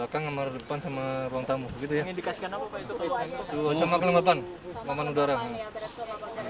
kamar belakang kamar depan dan ruang tamu